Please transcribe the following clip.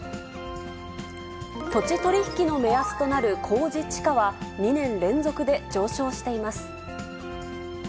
土地取り引きの目安となる公示地価は、２年連続で上昇しています。